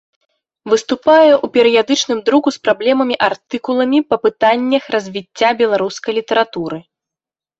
Выступае ў перыядычным друку з праблемамі артыкуламі па пытаннях развіцця беларускай літаратуры.